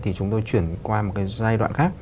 thì chúng tôi chuyển qua một cái giai đoạn khác